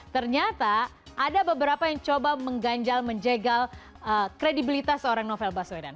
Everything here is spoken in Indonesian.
ternyata ada beberapa yang coba mengganjal menjegal kredibilitas seorang novel baswedan